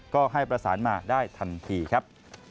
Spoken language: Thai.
ก็ให้ประสานมาได้ทันทีครับ